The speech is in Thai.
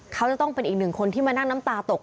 เขาจะต้องเป็นอีกหนึ่งคนที่มานั่งน้ำตาตก